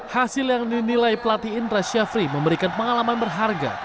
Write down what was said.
hasil yang dinilai pelatih indra syafri memberikan pengalaman berharga